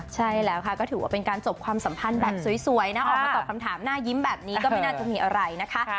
จบด้วยดีครับจบด้วยดี